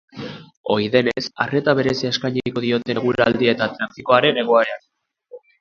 Ohi denez, arreta berezia eskainiko diote eguraldiari eta trafikoaren egoerari.